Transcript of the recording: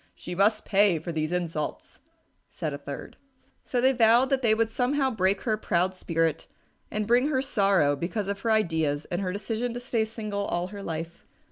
"She must pay for these insults," said a third. So they vowed that they would somehow break her proud spirit and bring her sorrow because of her ideas and her decision to stay single all her life.